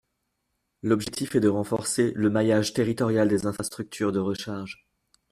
L’objectif est de renforcer le maillage territorial des infrastructures de recharge.